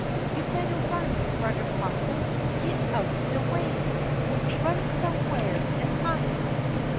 You better run, Brudder 'Possum, git out de way! Run some whar an' hide.